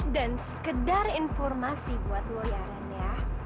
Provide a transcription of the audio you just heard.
dan sekedar informasi buat lo ya randy ya